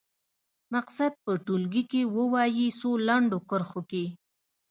مقصد په ټولګي کې ووايي څو لنډو کرښو کې.